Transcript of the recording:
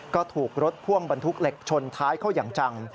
ก็ถูกรถพ่วงบรรทุกเหล็กชนท้ายเข้าอย่างจัง